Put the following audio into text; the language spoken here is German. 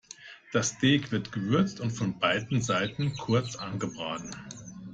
Das Steak wird gewürzt und von beiden Seiten kurz angebraten.